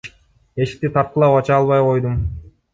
Эшикти тарткылап, ача албай койдум.